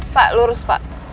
pak lurus pak